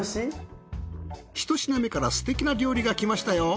１品目からすてきな料理がきましたよ。